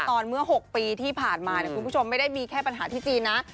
เมื่อ๖ปีที่ผ่านมาคุณผู้ชมไม่ได้มีแค่ปัญหาที่จีนนะ